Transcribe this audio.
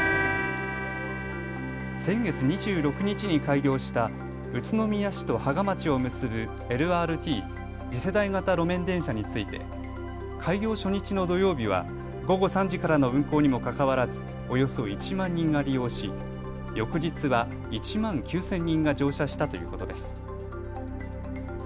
先月２６日に開業した宇都宮市と芳賀町を結ぶＬＲＴ・次世代型路面電車について開業初日の土曜日は午後３時からの運行にもかかわらずおよそ１万人が利用し翌日は１万９０００人が乗車したということです。